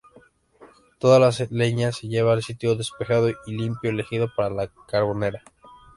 Toda la leña se lleva al sitio despejado y limpio elegido para la carbonera.